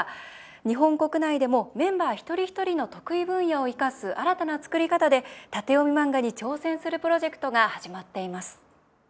日本国内でもメンバー一人一人の得意分野を生かす新たな作り方で縦読み漫画に挑戦するプロジェクトが始まっています。